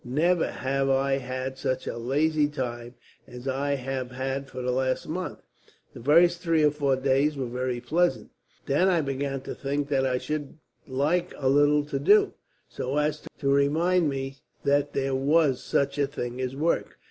Never have I had such a lazy time as I have had for the last month. The first three or four days were very pleasant; then I began to think that I should like a little to do, so as to remind me that there was such a thing as work.